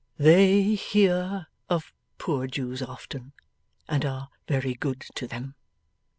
'They hear of poor Jews often, and are very good to them.